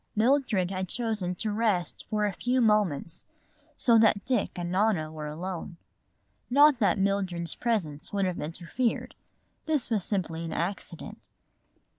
Mildred had chosen to rest for a few moments, so that Dick and Nona were alone. Not that Mildred's presence would have interfered; this was simply an accident.